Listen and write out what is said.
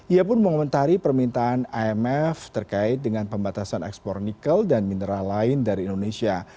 ia pun mengomentari permintaan imf terkait dengan pembatasan ekspor nikel dan mineral lain dari indonesia